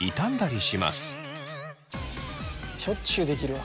しょっちゅう出来るわ。